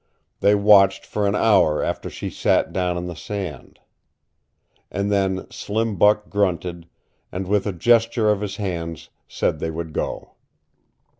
They watched for an hour after she sat down in the sand. And then Slim Buck grunted, and with a gesture of his hands said they would go.